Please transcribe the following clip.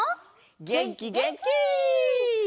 げんきげんき！